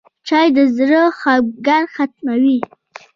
چای د زړه خفګان ختموي.